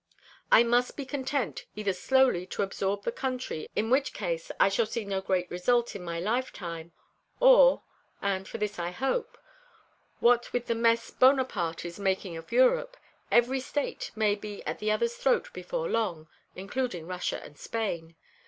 I must be content either slowly to absorb the country, in which case I shall see no great result in my lifetime, or and for this I hope what with the mess Bonaparte is making of Europe, every state may be at the others' throat before long, including Russia and Spain.